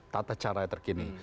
tata caranya terkini